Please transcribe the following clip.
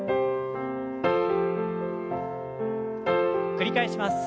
繰り返します。